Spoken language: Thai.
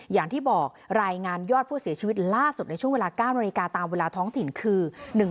อย่างที่บอกรายงานยอดผู้เสียชีวิตล่าสุดในช่วงเวลา๙นาฬิกาตามเวลาท้องถิ่นคือ